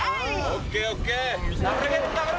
ＯＫＯＫ。